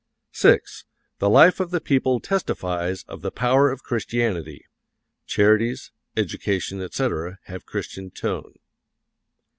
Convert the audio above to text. VI. THE LIFE OF THE PEOPLE TESTIFIES OF THE POWER OF CHRISTIANITY. Charities, education, etc., have Christian tone.